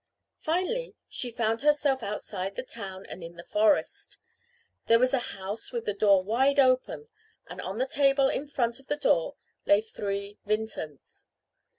Finally she found herself outside the town and in the forest. There was a house with the door wide open and on the table in front of the door lay three vintens.